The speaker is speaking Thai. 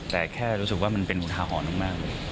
แต่แค่รู้สึกว่ามันเป็นอุทาหรณ์มากเลย